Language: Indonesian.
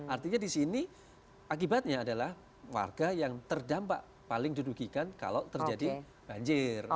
artinya disini akibatnya adalah warga yang terdampak paling didudukikan kalau terjadi banjir